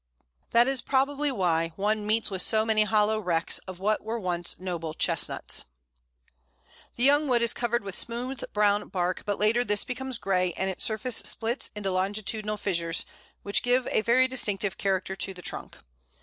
That is probably why one meets with so many hollow wrecks of what were once noble Chestnuts. The young wood is covered with smooth brown bark, but later this becomes grey, and its surface splits into longitudinal fissures, which give a very distinctive character to the trunk.